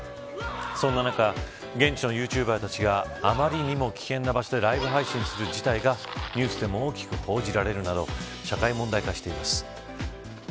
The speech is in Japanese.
そんな中、現地のユーチューバーたちがあまりに危険な所でライブ配信をしている事態がニュースでも大きく報じられるなど